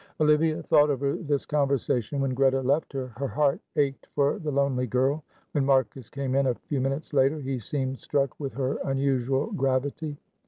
Olivia thought over this conversation when Greta left her; her heart ached for the lonely girl. When Marcus came in a few minutes later, he seemed struck with her unusual gravity.